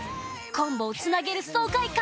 コンボをつなげる爽快感！